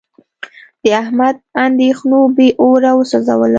د احمد اندېښنو بې اوره و سوزولم.